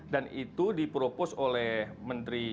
dan itu dipropos oleh menteri